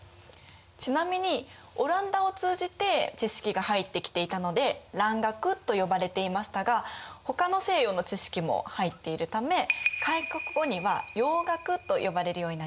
ちなみにオランダを通じて知識が入ってきていたので「蘭学」と呼ばれていましたがほかの西洋の知識も入っているため開国後には「洋学」と呼ばれるようになります。